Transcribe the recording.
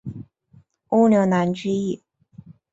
乌牛栏之役。